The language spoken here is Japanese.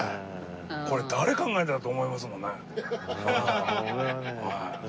これ誰考えたの？って思いますもんね。